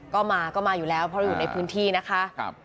ก็มาก็มาอยู่แล้วเพราะเราอยู่ในพื้นที่นะคะ